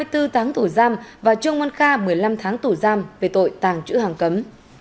hai mươi bốn tháng tù giam và trương văn kha một mươi năm tháng tù giam về tội tàng chữ hàng cấm